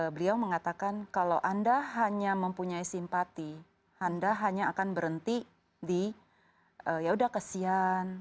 beliau mengatakan kalau anda hanya mempunyai simpati anda hanya akan berhenti di yaudah kesian